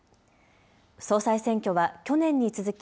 総裁選挙は去年に続き